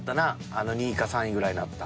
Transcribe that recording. あの２位か３位ぐらいになった。